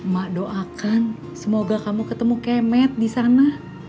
mak doakan semoga kamu ketemu kayak matt di sana